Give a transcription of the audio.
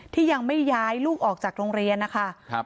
ที่ยังไม่ย้ายลูกออกจากโรงเรียนนะคะ